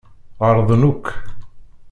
Ɣelḍen akk.